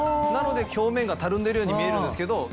なので表面がたるんでるように見えるんですけど。